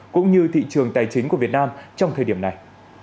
cũng như thị trường tài chính của việt nam trong thời điểm này